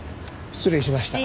失礼しました。